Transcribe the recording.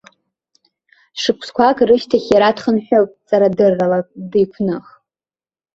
Шықәсқәак рышьҭахь иара дхынҳәып ҵарадыррала деиқәных.